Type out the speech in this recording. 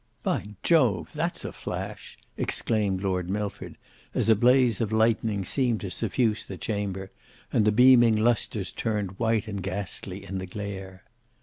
"By Jove! that's a flash," exclaimed Lord Milford, as a blaze of lightning seemed to suffuse the chamber, and the beaming lustres turned white and ghastly in the glare.